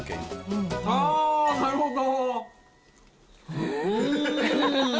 あぁなるほど。